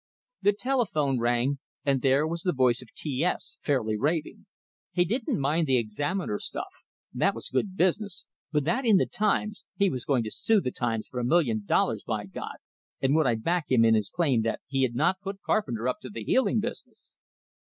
The telephone rang, and there was the voice of T S, fairly raving. He didn't mind the "Examiner" stuff; that was good business, but that in the "Times" he was going to sue the "Times" for a million dollars, by God, and would I back him in his claim that he had not put Carpenter up to the healing business?